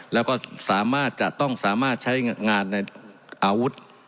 แล้วก็สามารถจะต้องสามารถใช้งานในอาวุธ